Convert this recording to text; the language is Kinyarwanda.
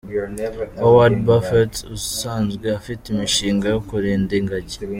Howard Buffet, usanzwe afite imishinga yo kurinda ingagi.